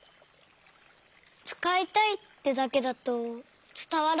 「つかいたい」ってだけだとつたわらないのかな？